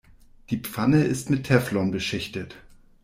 Die Pfanne ist mit Teflon beschichtet.